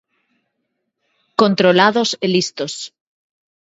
Controlados e listos.